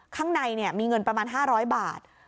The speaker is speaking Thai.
ข้างในมีเงินประมาณ๕๐๐บาท